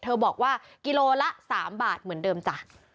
บอกว่ากิโลละ๓บาทเหมือนเดิมจ้ะ